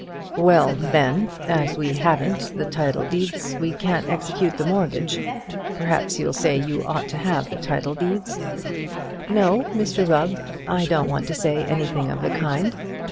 "Well then, as we haven't the title deeds, we can't execute the mortgage. Perhaps you'll say you ought to have the title deeds." "No, Mr Rubb, I don't want to say anything of the kind.